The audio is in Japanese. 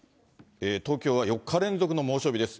東京は４日連続の猛暑日です。